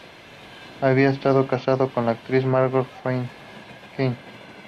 Había estado casado con la actriz Margot Franken.